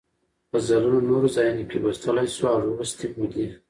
غزلونه نورو ځایونو کې لوستلی شو او لوستې مو دي.